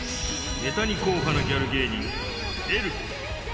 ネタに硬派なギャル芸人、エルフ。